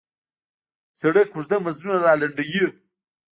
سړک اوږده مزلونه را لنډوي.